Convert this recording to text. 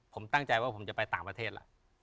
ผมตั้งใจว่าผมจะไปต่างประเทศแล้ว